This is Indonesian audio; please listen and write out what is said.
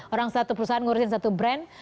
orang satu perusahaan ngurusin satu brand